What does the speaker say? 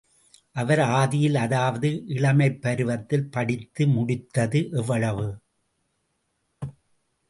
அவர் ஆதியில் அதாவது இளமைப் பருவத்தில் படித்து முடித்தது எவ்வளவு?